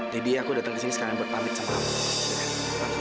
jadi aku datang kesini sekarang berpamit sama kamu